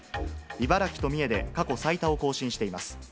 茨城と三重で過去最多を更新しています。